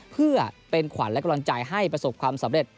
เพื่อเป็นขวัญและกำลังใจให้ประสบความสำเร็จ